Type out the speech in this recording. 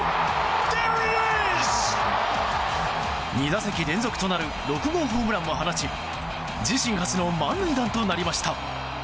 ２打席連続となる６号ホームランを放ち自身初の満塁弾となりました。